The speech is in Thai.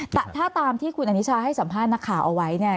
แต่ถ้าตามที่คุณอนิชาให้สัมภาษณ์นักข่าวเอาไว้เนี่ย